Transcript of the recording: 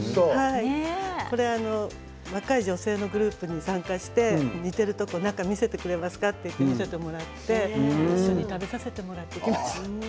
これは若い女性のグループに参加して煮ているところ中を見せてくれますか？といって見せてもらって一緒に食べさせてもらいました。